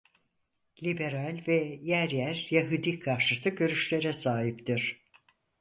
Liberal ve yer yer Yahudi karşıtı görüşlere sahiptir.